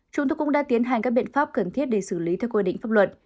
chúng tôi cũng đã tiến hành các biện pháp cần thiết để xử lý theo quy định pháp luật